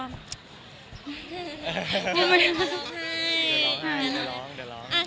เดี๋ยวร้อง